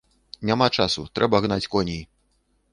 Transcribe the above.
Няма часу, трэба гнаць коней.